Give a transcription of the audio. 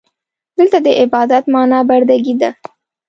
دلته د عبادت معنا برده ګي ده.